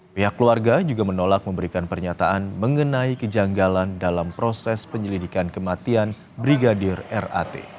pihak keluarga juga menolak memberikan pernyataan mengenai kejanggalan dalam proses penyelidikan kematian brigadir rat